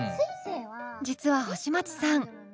実は星街さん